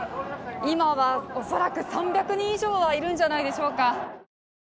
今は恐らく３００人以上はいるんじゃないでしょうか。